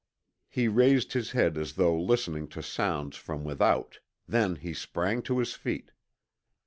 He raised his head as though listening to sounds from without, then he sprang to his feet.